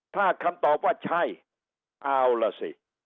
ถ้าคำตอบว่าใช่เอาล่ะสิ